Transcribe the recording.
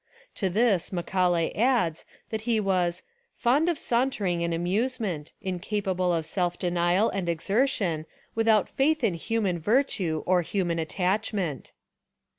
To this Macaulay adds that he was "fond of sauntering and amusement, incapable of self denial and exer tion, without faith in human virtue or human attachment."